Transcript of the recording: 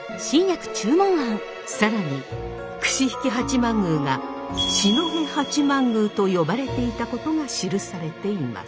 更に櫛引八幡宮が四戸八幡宮と呼ばれていたことが記されています。